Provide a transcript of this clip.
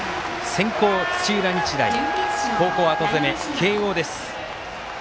先攻、土浦日大後攻、後攻め、慶応です。